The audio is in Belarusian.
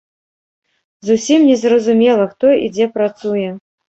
Зусім не зразумела, хто і дзе працуе.